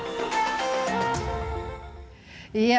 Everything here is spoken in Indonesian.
pertumbuhan industri film indonesia